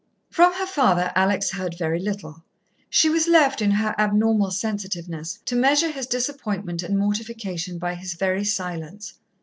From her father, Alex heard very little. She was left, in her abnormal sensitiveness, to measure his disappointment and mortification by his very silence.